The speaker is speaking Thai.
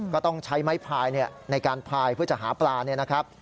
ก็ต้องใช้ไม้พายในการพายเพื่อจะหาปลา